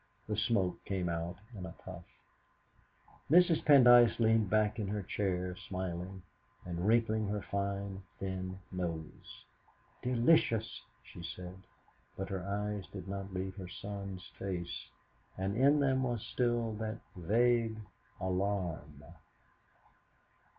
The smoke came out in a puff. Mrs. Pendyce leaned back in her chair smiling, and wrinkling her fine, thin nose. "Delicious!" she said, but her eyes did not leave her son's face, and in them was still that vague alarm.